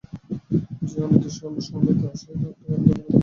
যে অনিষ্ট অবশ্যম্ভাবী, তাহার সহিত আর তোমার দুর্বলতা যুক্ত করিও না।